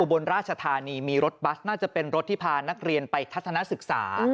บนราชธานีมีรถบัสน่าจะเป็นรถที่พานักเรียนไปทัศนศึกษา